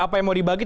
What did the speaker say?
apa yang mau dibagi